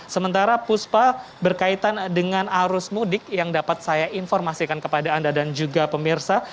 sementara puspa berkaitan dengan arus mudik yang dapat saya informasikan kepada anda dan juga pemirsa